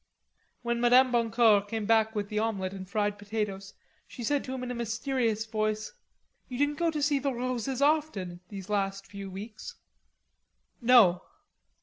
When Madame Boncour cams back with the omelette and fried potatoes, she said to him in a mysterious voice: "You didn't go to see the Rods as often these last weeks." "No."